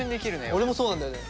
俺もそうなんだよね。